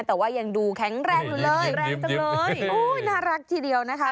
แต่ว่ายังดูแข็งแรงอยู่เลยแรงจังเลยโอ้ยน่ารักทีเดียวนะคะ